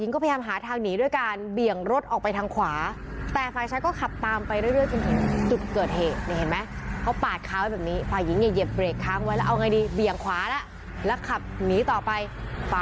คุณเวรยุทธ์ได้ไว้ภาพ